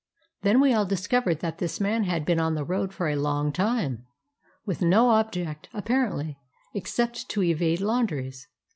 Then we all discovered that this man had been on the road for a long time, with no object, apparently, except to evade laundries.